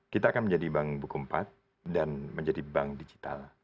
kita akan menjadi bank buku empat dan menjadi bank digital